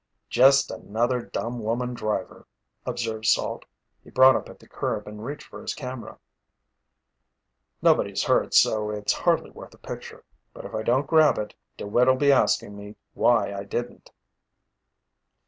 "Just another dumb woman driver," observed Salt. He brought up at the curb and reached for his camera. "Nobody's hurt so it's hardly worth a picture. But if I don't grab it, DeWitt'll be asking me why I didn't."